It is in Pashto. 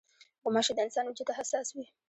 غوماشې د انسان وجود ته حساس وي.